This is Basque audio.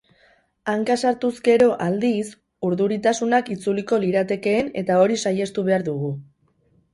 Hanka sartuz gero aldiz, urduritasunak itzuliko liratekeen eta hori saihestu behar dugu.